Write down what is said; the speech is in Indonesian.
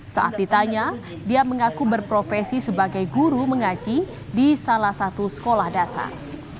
saat ditanya dia mengaku berprofesi sebagai guru mengaji di salah satu sekolah dasar